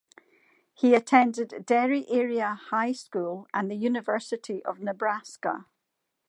He attended Derry Area High School and the University of Nebraska.